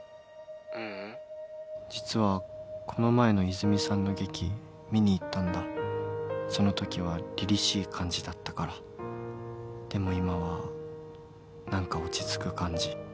☎ううん実はこの前の泉さんの劇見に行ったんだそのときはりりしい感じだったからでも今は何か落ち着く感じ